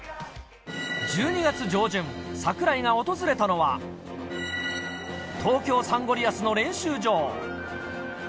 １２月上旬、櫻井が訪れたのは、東京サンゴリアスの練習場。